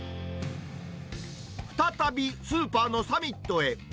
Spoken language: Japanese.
再びスーパーのサミットへ。